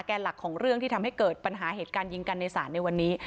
หลักของเรื่องที่ทำให้เกิดปัญหาเหตุการณ์ยิงกันในศาลในวันนี้